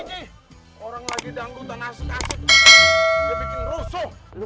naik mobil ke rumah sakit kita